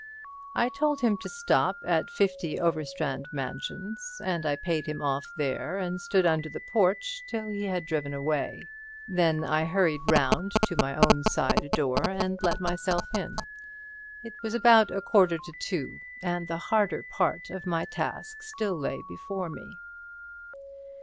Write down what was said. I told him to stop at 50 Overstrand Mansions, and I paid him off there, and stood under the porch till he had driven away. Then I hurried round to my own side door and let myself in. It was about a quarter to two, and the harder part of my task still lay before me.